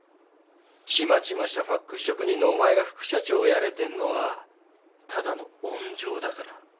ちまちましたファクス職人のお前が副社長やれてんのはただの温情だから。